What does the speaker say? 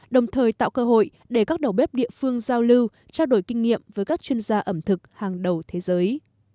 đồng thời tạo cơ hội để các đầu bếp địa phương giao lưu trao đổi kinh nghiệm với các chuyên gia ẩm thực hàng đầu thế giới